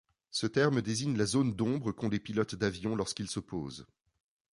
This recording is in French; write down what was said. Ce terme désigne la zone d'ombre qu'ont les pilotes d'avion lorsqu'ils se posent.